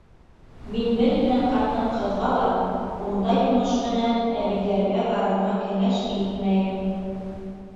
Мин бер генә ҡатын-ҡыҙға ла ундай йомош менән әбейҙәргә барырға кәңәш итмәйем.